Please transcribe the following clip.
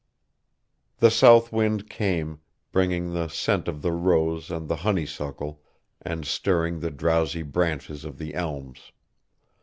The south wind came, bringing the scent of the rose and the honeysuckle, and stirring the drowsy branches of the elms.